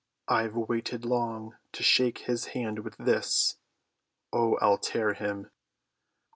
"I've waited long to shake his hand with this. Oh, I'll tear him!"